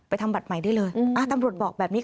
ทำบัตรใหม่ได้เลยตำรวจบอกแบบนี้